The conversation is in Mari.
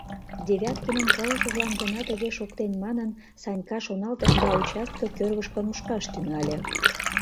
Девяткинын пылышыжлан гына тыге шоктен манын, Санька шоналтыш да участке кӧргышкӧ нушкаш тӱҥале.